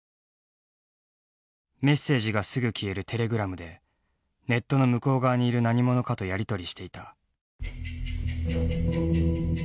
メッセージがすぐ消えるテレグラムでネットの向こう側にいる何者かとやり取りしていた。